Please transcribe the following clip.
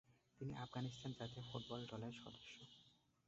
তিনি আফগানিস্তান জাতীয় ফুটবল দল এর সদস্য।